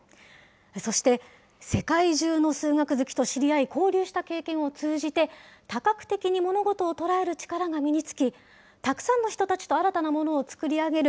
そして世界中の数学好きと知り合い交流した経験を通じて、多角的に物事を捉える力が身につき、たくさんの人たちと新たなものを作り上げる